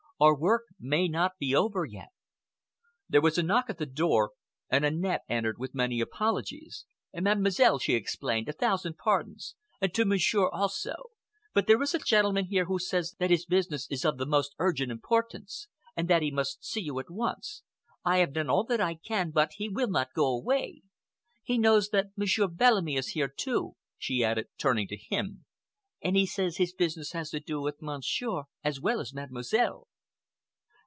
Our work may not be over yet—" There was a knock at the door, and Annette entered with many apologies. "Mademoiselle," she explained, "a thousand pardons, and to Monsieur also, but there is a gentleman here who says that his business is of the most urgent importance, and that he must see you at once. I have done all that I can, but he will not go away. He knows that Monsieur Bellamy is here, too," she added, turning to him, "and he says his business has to do with Monsieur as well as Mademoiselle."